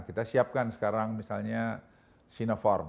kita siapkan sekarang misalnya sinopharm